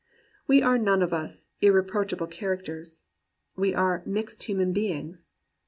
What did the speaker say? We are none of us "irreproachable char acters." We are "mixed human beings."